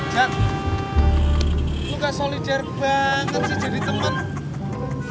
jak lo gak solider banget sih jadi temen